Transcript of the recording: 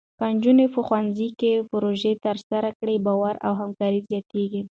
که نجونې په ښوونځي کې پروژې ترسره کړي، باور او همکاري زیاتېږي.